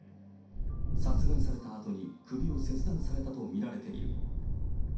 殺害されたあとに首を切断されたと見られている。